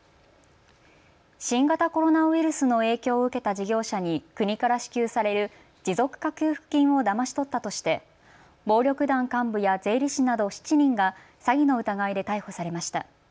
新型コロナウイルスの影響を受けた事業者に国から支給される持続化給付金をだまし取ったとして暴力団幹部や税理士など７人が詐欺の疑いで逮捕されました。